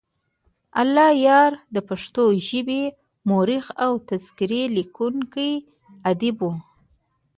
الله یار دپښتو ژبې مؤرخ او تذکرې لیکونی ادیب وو.